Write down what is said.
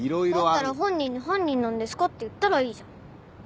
だったら本人に「犯人なんですか？」って言ったらいいじゃん。